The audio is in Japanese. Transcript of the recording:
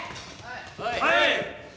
はい！